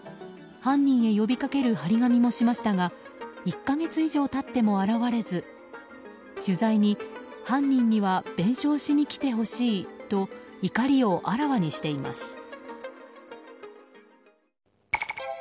犯人へ呼びかける貼り紙もしましたが１か月以上経っても現れず取材に犯人には弁償しに来てほしいと怒りをあらわにしています。